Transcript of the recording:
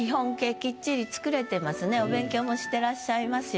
お勉強もしてらっしゃいますよ